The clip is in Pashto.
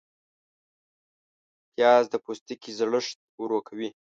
پیاز د پوستکي زړښت ورو کوي